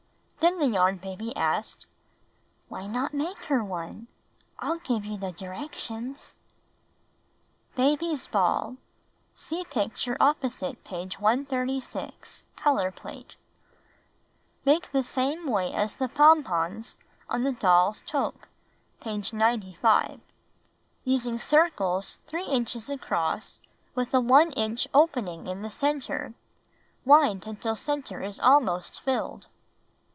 Then the Yarn Baby asked, "Why not make her one? I'll give you the directions: Baby's Ball (See picture opposite page 136 — color plate) Make the same way as the pompons on the Doll's Toque (^page 95), using circles 3 inches across with a 1 inch opening in the center. Wind until center is almost filled.